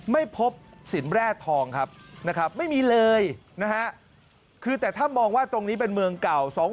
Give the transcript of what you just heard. ไม่พบสินแร่ทองครับนะครับไม่มีเลยนะฮะคือแต่ถ้ามองว่าตรงนี้เป็นเมืองเก่า